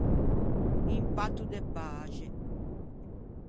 Un patto de paxe.